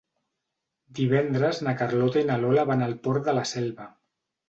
Divendres na Carlota i na Lola van al Port de la Selva.